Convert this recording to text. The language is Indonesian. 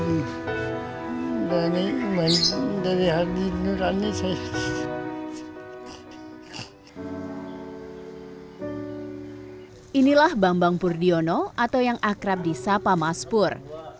ini adalah bambang pur diono atau yang akrab di sapa maspur